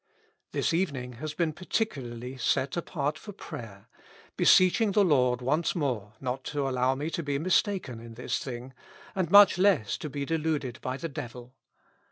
This evening has been particularly set apart for prayer, beseeching the Lord once more not to allow me to be mistaken in this thing, and much less to be deluded by the devil.